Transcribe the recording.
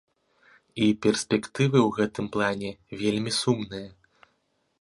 І перспектывы ў гэтым плане вельмі сумныя.